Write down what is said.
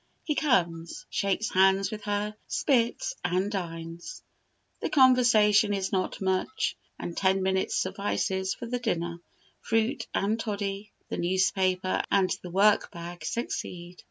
He comes, shakes hands with her, spits, and dines. The conversation is not much, and ten minutes suffices for the dinner: fruit and toddy, the newspaper, and the work bag succeed.